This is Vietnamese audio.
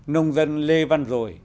nông dân lê văn rồi